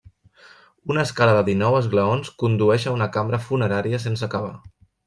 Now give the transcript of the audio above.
Una escala de dinou esglaons condueix a una cambra funerària sense acabar.